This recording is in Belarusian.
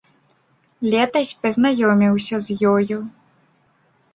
Летась пазнаёміўся з ёю.